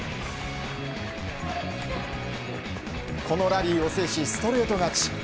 このラリーを制しストレート勝ち。